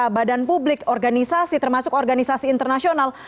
mungkin bisa badan publik organisasi termasuk organisasi internasional